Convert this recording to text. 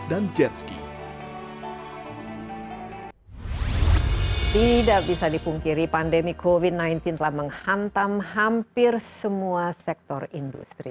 dan jetski tidak bisa dipungkiri pandemi kowe sembilan belas telah menghantam hampir semua sektor industri